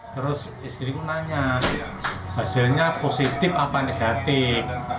terus istrimu nanya hasilnya positif apa negatif